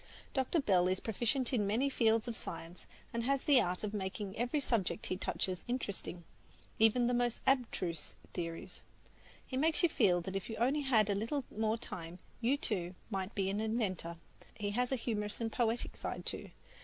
Dr. Bell is proficient in many fields of science, and has the art of making every subject he touches interesting, even the most abstruse theories. He makes you feel that if you only had a little more time, you, too, might be an inventor. He has a humorous and poetic side, too.